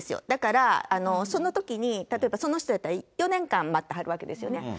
だからそのときに、例えばその人やったら、４年間待ってはるわけですよね。